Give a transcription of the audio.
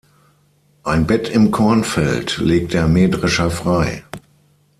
Ein Bett im Kornfeld legt der Mähdrescher frei.